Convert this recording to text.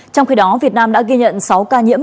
trong khi đó việt nam đã ghi nhận sáu ca nhiễm